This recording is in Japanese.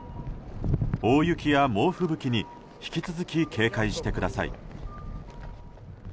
大雪や猛吹雪に引き続き警戒してください。